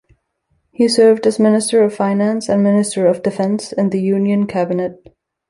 He served as Minister of Finance and Minister of Defence in the union cabinet.